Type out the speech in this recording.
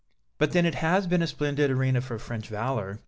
'" "But then it has been a splendid arena for French valor.